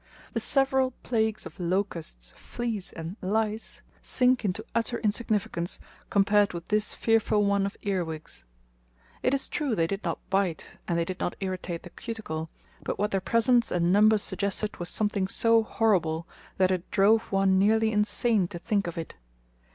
The several plagues of locusts, fleas, and lice sink into utter insignificance compared with this fearful one of earwigs. It is true they did not bite, and they did not irritate the cuticle, but what their presence and numbers suggested was something so horrible that it drove one nearly insane to think of it.